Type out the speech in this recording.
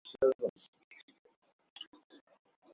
গতকাল তাঁকে বাবার বাড়ি থেকে যৌতুকের টাকা এনে দিতে চাপ দেন স্বামী।